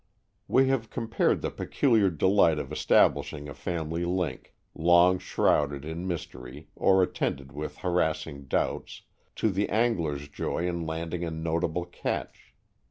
We have compared the peculiar delight of establishing a family link, long shrouded in mystery or attended with harassing doubts, to the angler's joy in landing a notable catch.